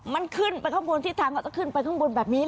มันขึ้นไปข้างบนทิศทางแล้วก็ขึ้นไปข้างบนแบบนี้